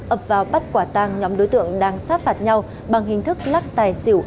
ập vào bắt quả tăng nhóm đối tượng đang sát phạt nhau bằng hình thức lắc tài xỉu